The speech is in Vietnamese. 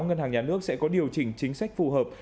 ngân hàng nhà nước sẽ có điều chỉnh chính sách phù hợp